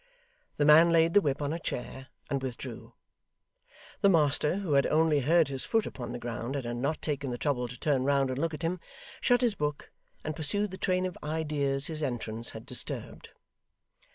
The man laid the whip on a chair, and withdrew. The master, who had only heard his foot upon the ground and had not taken the trouble to turn round and look at him, shut his book, and pursued the train of ideas his entrance had disturbed.